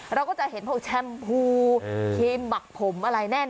เราก็จะเห็นพวกแชมพูครีมบักผมอะไรแน่น